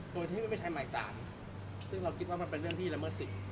โดยที่ไม่ใช้หมายสารซึ่งเราคิดว่ามันเป็นเรื่องที่ละเมิดสิทธิ